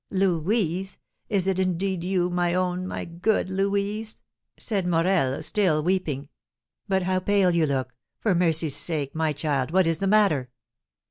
"Louise! Is it, indeed, you, my own, my good Louise?" said Morel, still weeping. "But how pale you look! For mercy's sake, my child, what is the matter?"